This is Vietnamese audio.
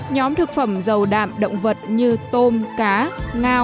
nhóm thực phẩm dầu đạm động vật như tôm cá ngao